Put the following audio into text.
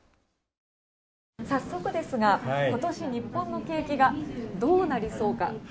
さっそくですが今年日本の景気がどうなりそうか。